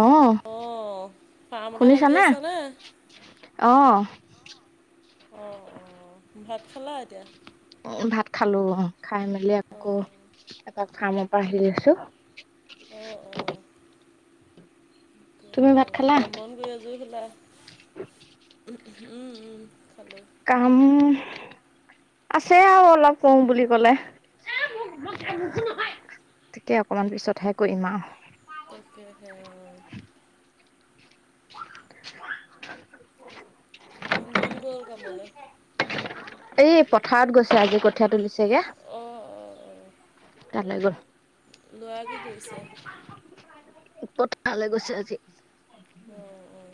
অঁ অ', ফাৰ্মতে লাগি আছা নে? অহ', অ', - অ', ভাত খালা এতিয়া? উম', ভাত খালোঁ অ', খাই মেলি আকৌ অঁ এপাক কাৰ্মৰ পৰা আহিলি আছোঁ', অহ', - অ', তুমি ত ভাত খালা কাম - বন কৰি আজৰি হলা, উম', - উম খালোঁ ', কাম উম', কাম আছে আৰু অলপ কৰোঁ বুলি ক'লে', অঁ তাকে অকমান পিছতহে কৰিম আৱ। তাকেহে অ। [unintelligible] মনজন গ'ল কামলে? এই পথাৰত গৈছে আজি কঠিয়া তুলিছেগে। অঁ অঁ অঁ। তালৈ গ'ল, ল'ৰা কি কৰিছে পথাৰলে গৈছে আজি। অঁ অঁ।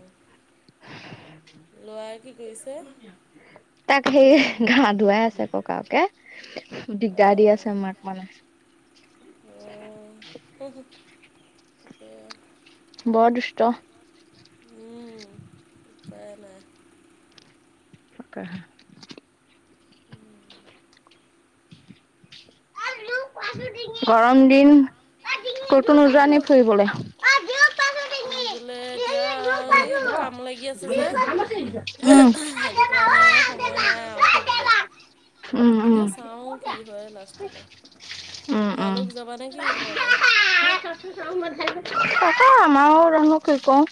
[unintelligible] ল'ৰাই কি কৰিছে? তাক সেই গা ধুৱাই আছে ককাকে দিগদাৰ দি অঁ আছে মাক মানে। অহ, অ। বৰ দুষ্ট। উম উপায়ে নাই। তাকেহে। গৰম দিন ক'তো উম, নোযোৱা নেকি ফুৰিবলে? ফুৰিবলে এতিয়া এইবোৰ কাম লাগি আছে যে, উম সেইটো কাৰণে সময় নাই আৰু ফুৰিবলে। উম এতিয়া উম চাওঁ কি হয় লাষ্টলে। উম উম তোমালোক যাবা নেকি ঘৰলে? তাকে আমাৰো জানো কি কৰোঁ?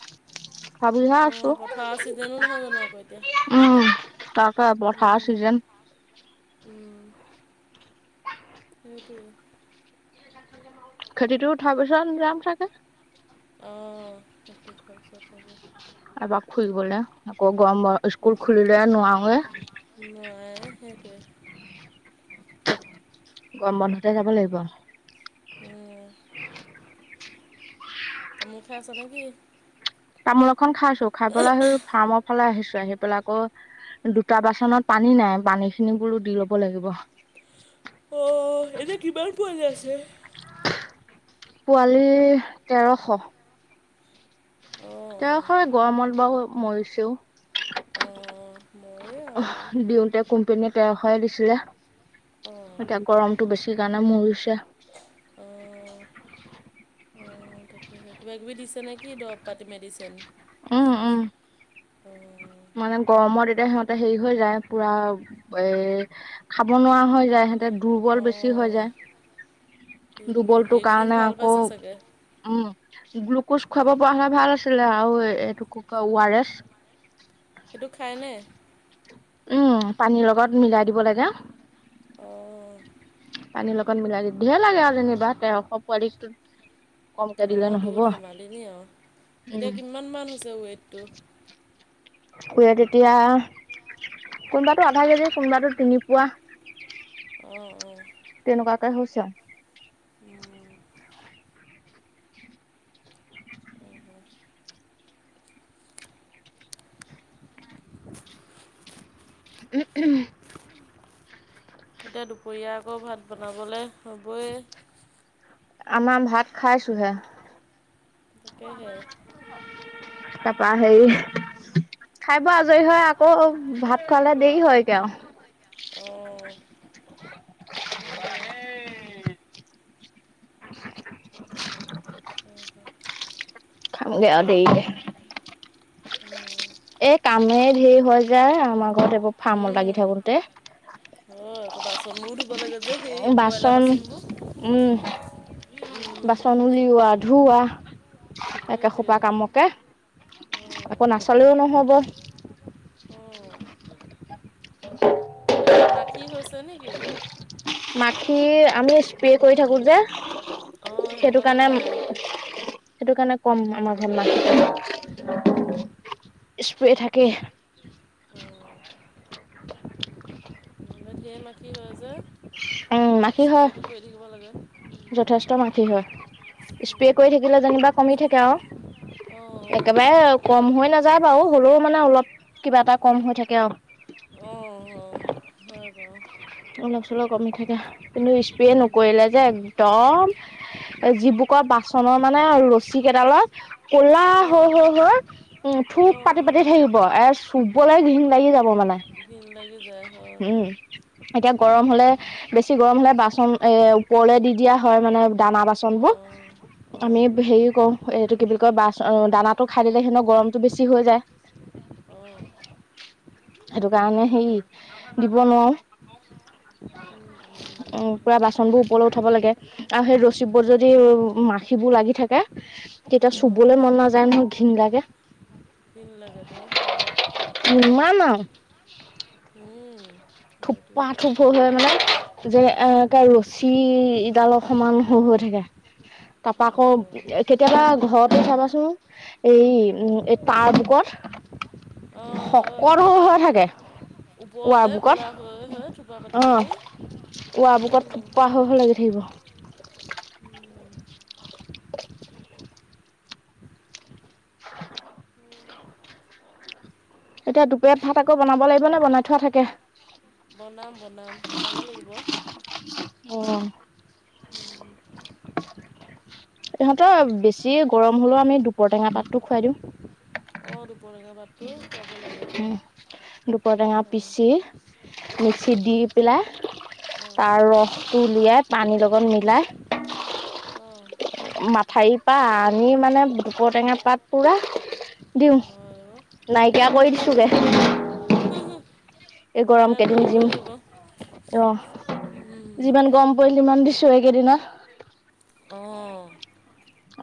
ভাবিহে অঁ আছোঁ পথাৰৰ ছিজনো নহয় জানো আকৌ এতিয়া উম তাকে পঠা ছিজেন। উম সেইটোৱে। খেতিটো উঠোৱাৰ পিছত যাম চাগে। অঁ খেতিটো উঠোৱাৰ পিছত যাবি। এপাক ফুৰিবলে আকৌ গৰম ব স্কুল খুলিলে নোৱাৰোঁৱে। নোৱাৰে সেইটোৱে। গৰম বন্ধতে যাব লাগিব। উম। [unintelligible] তামোল খাই আছ নে কি? তামোল এখন খাইছোঁ খাই পেলাই সেই ফাৰ্মৰ ফালে আহিছোঁ আহি পেলাই আকৌ দুটা বাচনত পানী নাই পানীখিনি বোলো দি ল'ব লাগিব। অহ এনে কিমান পোৱালি আছে? পোৱালি তেৰশ। অঁ তেৰশই গৰমত বাৰু মৰিছেও। অঁ মই অহ দিওঁতে কোম্পানীয়ে তেৰশয়ে দিছিলে। অঁ এতিয়া গৰমটো বেছি কাৰণে মৰিছে। অঁ অঁ কিবা কিবি দিছে নেকি দৰৱ পাতি মেডিচেন উম উম। অ। মানে গৰমত এতিয়া সিহঁতে হেৰী হৈ যায় পুৰা এ খাব নোৱাৰা হৈ যায়। সিহ সিহঁতে দুৰ্বল বেছি হৈ অঁ যায় সেইটোৱে দুৰ্বলটো এইকেইদিন কাৰণে ভাল আকৌ পাইছে চাগে উম গ্লুকোছ খুৱাব পৰা হ'লে ভাল আছিলে আৰু এইটো কি কয় অ আৰ এছ। সেইটো খায়নে? উম পানীৰ লগত মিলাই দিব লাগে অ'। পানীৰ লগত মিলাই দি ধঢেৰ লাগে আৰু যেনিবা তেৰশ পোৱালিক। কমকে দিলে অঁ টো নহ'ব ধেমালী নি আৰু, উম এতিয়া কিমান মান হৈছে ওৱেইট টো? ওৱেইট এতিয়া কোনোবাটো আধা কেজি কোনোবাটো তিনি পোৱা। অ' অ'। তেনেকুৱাকে হৈছে আৰু। উম, অহ। উ উম [unintelligible] এতিয়া দুপৰীয়া আকৌ ভাত বনাবলৈ হ'বই। আমাৰ ভাত খাইছোঁহে। তাকেহে। তাৰাপা হেৰি খাই বৈ আজৰি হয় আকৌ ভাত খোৱালে দেৰি হৈ গৈ আৰু। অ'। [inaudible] খামগে আৰু দেৰি কে। উম এ' কামেই ধেৰ হৈ যায়। আমাৰ ঘৰত এইবোৰ ফাৰ্মত লাগি থাকোতে। অ'। আকৌ বাচন বোৰ ধুব লাগে যে সেই ব্ৰইলাৰ বাচন উম বোৰ। বাচন উলিওৱা ধুওৱা, একে সেইটোৱে সোপা কামক কে অঁ আকৌ নাচালেও নহ'ব। উম। মাখি হৈছে নেকি? মাখি আমি স্প্ৰে কৰি থাকো যে সেইটো কাৰণে সেইটো কাৰণে কম আমাৰ ঘৰত মাখিটো, অঁ স্প্ৰে থাকে। অঁ। এনে ধেৰ মাখি হয় যে। উম মাখি হয় স্পেটো কৰি থাকিব লাগে। যথেষ্ট মাখি হয়। স্প্ৰে কৰি থাকিলে যেনিবা কমি থাকে আৰু এ অঁ একেবাৰে কম হৈ নাযায় বাৰু হ'লেও, মানে অলপ কিবা এটা কম হৈ থাকে আৰু অ'। অলপ চলপ কমি থাকে। কিন্তু স্প্ৰে নকৰিলে যে একদম এ, যিবোৰ ক বাচনৰ মানে ৰছী কেইডালত কলা অঁ হৈ, হৈ, হৈ। উম থূপ অঁ পাতি পাতি হয় থাকিব এ' চুবলৈ ঘিণ লাগি যাব মানে। ঘিণ লাগি যায় হয়। উম এতিয়া গৰম হ'লে, বেছি গৰম হ'লে বাচন এ' ওপৰলৈ দি দিয়া হয় মানে দানা বা চনবোৰ অঁ অঁ আমি হেৰি কৰো, এইটো কি বুলি কয় বাচ দানাটো খাই দিলে সিহঁতৰ গৰমতটো বেছি হৈ যায়। অ'। সেইটো কাৰণে হেৰি বাৰু দিব নোৱাৰো। উম, উম, পুৰা হয়। বাচন বোৰ ওপৰলৈ উঠাব লাগে। উম', আৰু সেই ৰছীবোৰত যদি অঁ মাখিবোৰ লাগি থাকে', তেতিয়া অঁ চুবলৈ মন নাযায় নহয়, ঘিণ লাগে', ঘিণ লাগেতো হুম', নিমা ন', উম, হয়তো থোপা থোপ হয় - হয় মানে', যে, এই, এটা উম, ৰছী ইডাল অকমান হয় - হয় থাকে', তাৰপা আকৌ, এ, অঁ কেতিয়াবা ঘৰতে চাবাচোন', এই উম', এই তাৰ বুকত, শকত হয় - হয় থাকে', ৱাৰ ওপৰলৈ বুকত ক'লা হয় - হয় থাকে', অ', ইয়াৰ বুকত থোপা হয় - হয় লাগি থাকিব', এতিয়া দুপৰিয়াৰ ভাত আকৌ বনাব লাগিব নে বনাই থোৱা থাকে? বনাম - বনাম, বনাব লাগিব', অহ', উম, ইহঁতৰ বেছি গৰম হ'লেও আমি দুপৰটেঙা পাতটো খুৱাই দিওঁ', অ', দুপৰটেঙা পাতটো খোৱাব লাগে, দুপৰ সেইটো টেঙা হয়', পিচি মিক্সিত দি পেলাই, অঁ তাৰ ৰসটো উলিয়াই পানীৰ লগত মিলাই', অহ', মাথাইৰ পৰা আনি মানে দুপৰটেঙা পাত পুৰা', দিওঁ, হয় অঁ নাইকিয়া কৰি দিছোগে', হম', -হম', উপায় নাই নহয় নিবই লাগিব', অহ', যিমান গৰম পৰিল সিমান দিছোঁ এইকেইদিনত', অহ',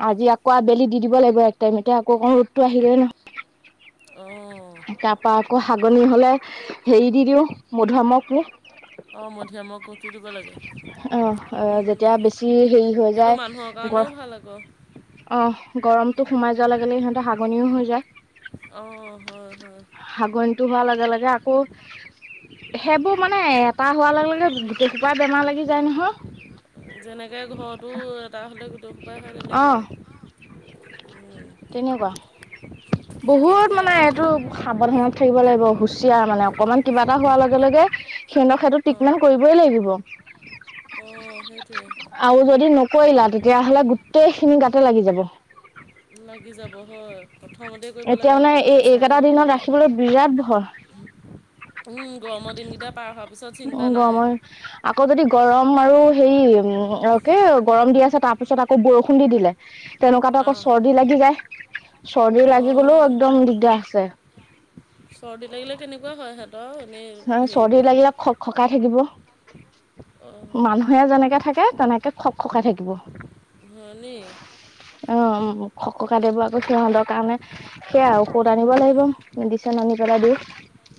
আজি আকৌ আবেলি দি দিব লাগিব, এক টাইমতে, এতিয়া আকৌ অকণ ৰ'দটো আহিলে ন', অহ', তাৰপা আকৌ হাগনি হ'লে, হেৰি দি দিওঁ, মধুআমখো', অ', মধুৰীআমৰক কটো দিব লাগে', আহ', - আ', যেতিয়া বেছি হেৰি হৈ সেইটো যায় মানুহৰ কাৰণেও গ', ভাল আকৌ অহ', গৰমটো সোমাই যোৱা লগে - লগে সিহঁতে হাগনিও হৈ যায়', অহ', হয় - হয়', হাগনিটো হোৱাৰ লগে - লগে আকৌ', সেইবোৰ মানে এটা হোৱাৰ লগে - লগে গোটেই হোপা বেমাৰ লাগি যায় নহয়', যেনেকৈ ঘৰতো এটা হ'লে গোটে হোপাই হয় অ তেনেকুৱা, অহ', উম', -উম', তেনেকুৱা, বহুত মানে অঁ এইটো', সাৱধানত থাকিব লাগিব, হুচিয়াৰ মানে অকমান কিবা এটা হোৱাৰ লগে - লগে, সিহঁতক সেইটো ট্ৰিটমেণ্ট কৰিব', কেলে দিব', অহ', সেইটোৱে', আৰু যদি নকৰিলা তেতিয়াহ'লে গোটেই খিনি গাতে লাগি যাব', লাগি যাব হয়, প্ৰথমতে কৰিব এতিয়া লাগে মানে এই অকণমানতে চাই এইকেইটা থাকিব দিনত লাগে', ৰাখিবলৈ বিৰাট ভয় উম', গৰমৰ দিনকেইটা পাৰ হোৱাৰ পিছত চিন্তা গৰমৰ নাই', আকৌ যদি গৰম আৰু হেৰি, উম', আকৌ গৰম দি আছে তাৰপিছত আকৌ বৰষুণ দি দিলে', তেনেকুৱাতো আকৌ আহ, চৰ্দি লাগি যায়, চৰ্দি লাগি গলেও অ'। একদম দিগদাৰ আছে', চৰ্দি লাগিলে কেনেকুৱা হয় সিহঁতৰ এনেই, চৰ্দি হেৰিবোৰ', লাগিলে খক খকাই থাকিব, অ'। মানুহ', সেয়া যেনেকে থাকে তেনেকে খক - খকাই থাকিব', হয়নি', অ উম খক ককাইদেউৰ আকৌ সিহঁতৰ কাৰণে সেয়া ঔষধ আনিব লাগিব। মেডিচিন আনি পেলাই দি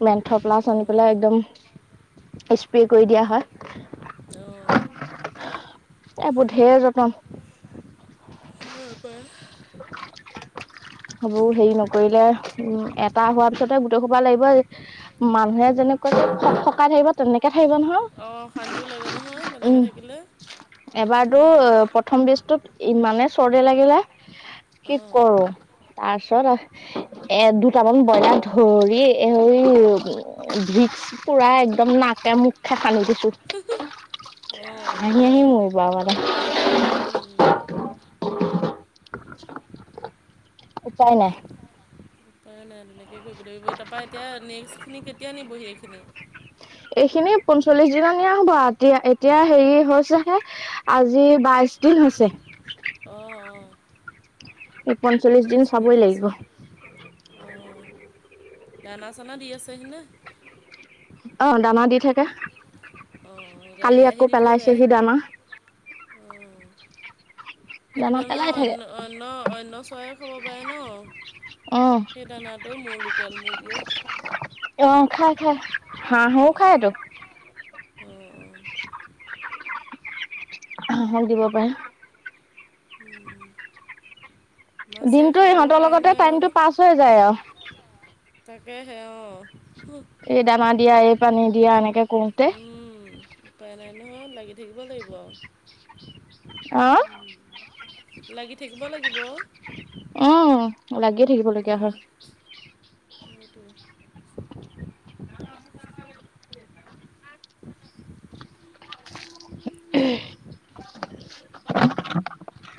মেন্থ প্লাছ আনিব পেলাই উম, একদম স্প্ৰে কৰি দিয়া হয়। অ'। এইবোৰ যত্ন নহ'লে ৰুপাই সবোৰ সেই নকৰিলে উম এটা হোৱাৰ পিছতে গোটেই সোপা লাগিবই। মানুহে যেনেকৈ সক সকাই ধৰিবত তেনেকে থাকিব অ', শান্তিও লাগে নহয় নহয় তেনেকৈ উম থাকিলে। এবাৰতো উম, পত প্ৰথম বীজটোত ইমানে চৰ্দি লাগিলে কি অ'। কৰো তাছত এ এ দুটামান ব্ৰইলাৰ ধৰি এ উই ভিকছ পুৰা একদম নাকে মুখ খে ফালি দিছো। অ', হাঁহি হাঁহি হয়। মাৰিব আও ল'ৰাটো উম, উপাই নাই। ত নাই এনেকে কৈ পদৈ পৈ তা পা এতিয়া নেক্সটখিনি কেতিয়া নিবহি এইখিনি? এইখিনি পঞ্চল্লিশ দিনত নিয়া হ'ব আ এতিয়া এতিয়া হেৰি হৈছেহে। আজি বাইশ দিন হৈছে। অ অ। এই পঞ্চল্লিশ দিন বাইছ চাবই লাগিব। হৈছে। অ দানা চানা দি আছেহিনে? অ দানা দি থাকে, অঁ গাড়ী কালি আহি আকৌ দি থৈ পেলাইছে যায় সি দানা। অঁ সেইটো দানা পেলাই থাকে। অন্য অন্য অন্য চৰাই খব পাৰে ন? উম সেই দানাটো মোৰ লোকেল মুৰ্গীয়ে অ খাই খাই হাঁ হ খাই অঁ এইতো। অঁ অঁ হাঁহক দিব পাৰে। উম মাছে দিনটো খাই বৈ ইহঁতৰ পাৰে লগতে নোৱাই টাইমটো জানো [unintelligible] পাছ হৈ আৰু। যায় অ, তাকেহে অ হু এই দানা দিয়া এই পানী দিয়া এনেকে কৰোঁতে উম উপায় নাই নহয় লাগি থাকিব লাগিব আও। অ। লাগি থাকিব লাগিব। অ লাগিয়ে থাকিবলগীয়া হয়। মোৰটো [unintelligible]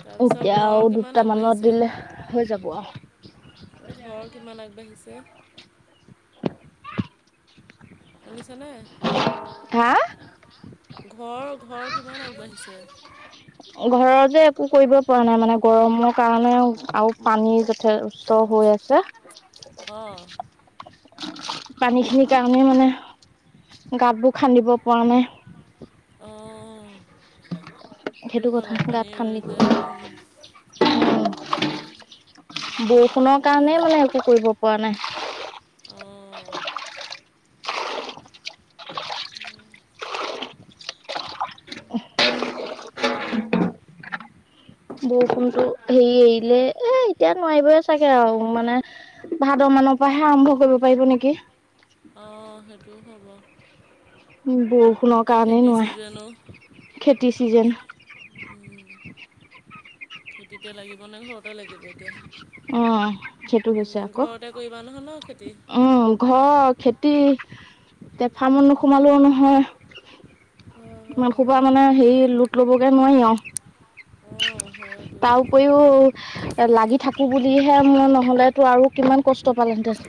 তাৰপিছত এতিয়া ঘৰ আও কিমান দুটামানত আগবাঢ়িছে দিলে হৈ যাব আও। ঘৰ কিমান আগবাঢ়িছে? শুনিছনে? হা? ঘৰ ঘৰ কিমান আগবাঢ়িছে? ঘৰত যে একো কৰিব পৰা নাই মানে গৰমৰ কাৰণে আৰু পানী যথেষ্ট হৈ আছ- চা অ। পানী খিনিৰ কাৰণে মানে গাতবোৰ খান্দিব পৰা নাই। অ সেইটো হয় কথা বাও পানী গাঁত ৰৈ খান্দি যে, ওম। হ'লেও বৰষুণৰ উপায় কাৰণে নাই মানে একো কৰিব পৰা নাই। অঁ বৰষুণতো হেৰি এৰিলে এ এতিয়া নোৱাৰিবই চাগে আও মানে ভাদ মানৰ পৰাহে আৰম্ভ কৰিব পাৰিব নেকি। অ সেইটো হ'ব। উ বৰষুণৰ এতিয়া কাৰণেই খেতিৰ ছিজনো নোৱাই খেতি চিজন। উম খেতিতে লাগিবনে ঘৰতে লাগিব এতিয়া। অ সেইটো হৈছে উম আকৌ ঘৰতে কৰিবা নহয় ন খেতি? উম ঘৰ খেতি এতিয়া ফাৰ্মত নোসোমালেও নহয়। হ। ইমান সোপা মানে সেইয়ে লোট ল'বগে নোৱাও আও। অ হয়টো। উপৰিও এ লাগি থাকো বুলিহে মো নহলে তোৰ আৰু কিমান কষ্ট পালো হেতেন।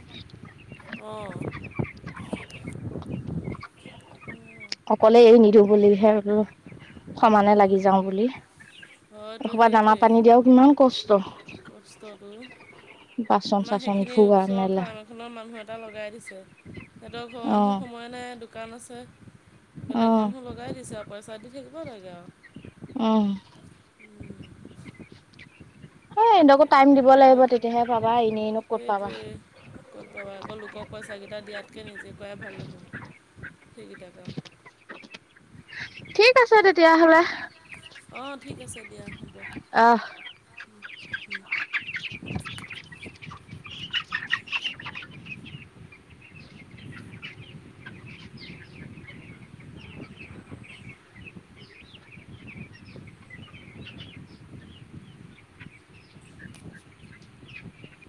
অ। অকলে এৰি নিদিওঁ বুলি হে ওলো সমানে লাগি যাওঁ বুলি। হয়তো এসোপা দানা সেইটোৱে পানী দিয়াৰ কিমান কষ্ট। কষ্টটো বাচন চাচন ধুৱা মেলা। ঘনৰ মানুহ এটা লগাই দিছে সিহঁতৰ ঘৰৰ অ মানুহ সময়ে নাই দোকান আছে। অ বেলেগ মানুহ লগাই দিছে আও পইচা দি থাকিব লাগে আও। উহ। সে এইদক টাইম দিব লাগিব তাকে তেতিয়াহে পাবা এনেই নো ক'ত পাবা। সেইটোৱে ক'ত পাবা আকৌ লোকক পইচাকেইটা দিয়াতকে নিজে কৰাই ভাল দেখোন সেইকেইটা কাম। ঠিক আছে তেতিয়াহ'লে। অ ঠিক আছে দিয়া। হ'ব আহ। [unintelligible]